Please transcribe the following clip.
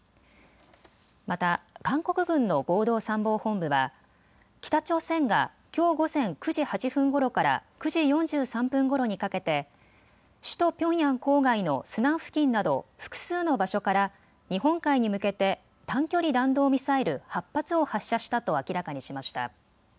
また韓国軍の合同参謀本部は北朝鮮がきょう午前９時８分ごろから９時４３分ごろにかけて首都ピョンヤン郊外のスナン付近など複数の場所から日本海に向けて短距離弾道ミサイル８発を発射したと明らかにしました。